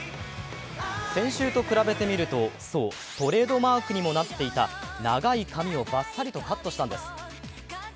先週と比べてみると、そうトレードマークにもなっていた長い髪をバッサリとカットしたんです。